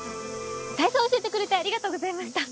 体操教えてくれてありがとうございました。